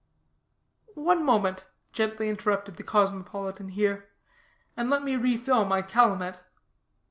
"One moment," gently interrupted the cosmopolitan here, "and let me refill my calumet."